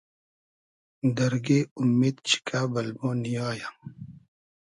دئرگݷ اومید چیکۂ بئل مۉ نییایۂ